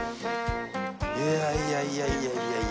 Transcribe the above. いやいやいやいやいやいや。